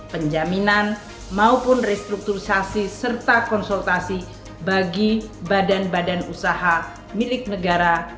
penjaminan maupun restrukturisasi serta konsultasi bagi badan badan usaha milik negara